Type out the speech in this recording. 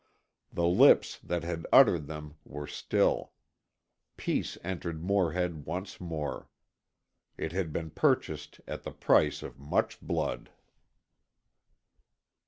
The lips that had uttered them were still. Peace entered Morehead once more. It had been purchased at the price of much blood.